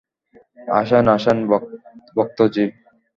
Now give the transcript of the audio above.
আসেন, আসেন ভগতজি।